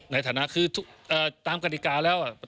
ในฐานะคือตามกฎิกาแล้ว